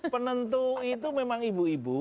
penentu itu memang ibu ibu